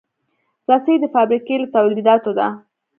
رسۍ د فابریکې له تولیداتو ده.